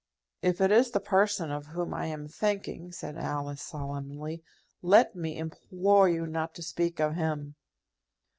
"If it is the person of whom I am thinking," said Alice, solemnly, "let me implore you not to speak of him."